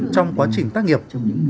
trong quá trình tác nghiệp